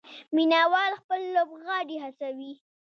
مینه وال خپل لوبغاړي هڅوي.